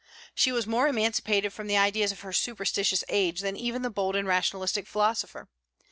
She was more emancipated from the ideas of her superstitious age than even the bold and rationalistic philosopher.